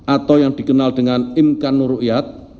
atau yang dikenal dengan imkan ru iyat